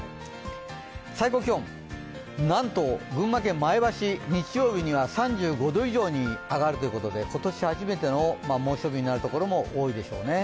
最高気温、なんと群馬県前橋、日曜日には３５度以上に上がるということで今年初めての猛暑日になるところも多いでしょうね。